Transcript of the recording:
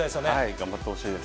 頑張ってほしいです。